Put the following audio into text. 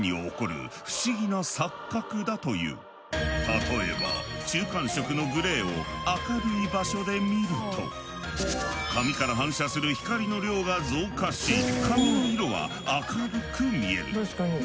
例えば中間色のグレーを明るい場所で見ると紙から反射する光の量が増加し紙の色は明るく見える。